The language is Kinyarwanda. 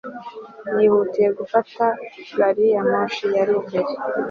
nihutiye gufata gari ya moshi ya mbere